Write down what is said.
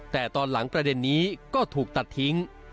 แต่ตอนหลังประเด็นนี้ก็ถูกตัดทิ้ง